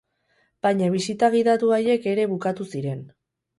Baina bisita gidatu haiek ere bukatu ziren.